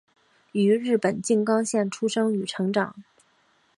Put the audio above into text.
于日本静冈县出生与成长。